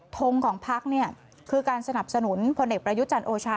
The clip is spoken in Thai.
ทงของภักดิ์คือการสนับสนุนพลเนกประยุจรรย์โอชา